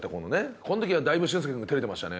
この時はだいぶ俊介くんが照れてましたね。